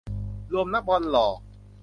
รวมนักบอลหล่อ